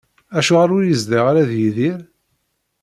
Acuɣer ur yezdiɣ ara d Yidir?